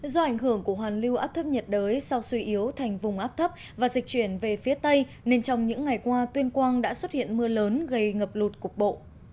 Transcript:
do ảnh hưởng của hoàn lưu áp thấp nhiệt đới sau suy yếu thành vùng áp thấp và dịch chuyển về phía tây nên trong những ngày qua tuyên quang đã xuất hiện mưa lớn gây ngập lụt cục bộ